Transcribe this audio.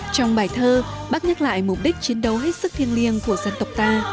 trong bài thơ bác nhắc lại mục đích chiến đấu hết sức thiêng liêng của dân tộc ta